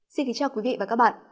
xin kính chào quý vị và các bạn